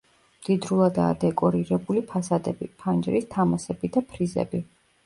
მდიდრულადაა დეკორირებული ფასადები, ფანჯრის თამასები და ფრიზები.